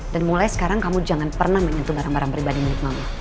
dan mulai sekarang kamu jangan pernah menghentu barang barang pribadi milik mama